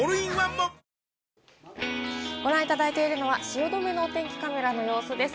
ご覧いただいているのは汐留のお天気カメラの様子です。